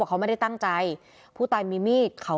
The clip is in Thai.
ผมไม่ได้ตั้งใจหยิงน้องเขา